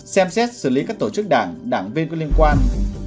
xem xét xử lý các tổ chức đảng đảng viên có liên quan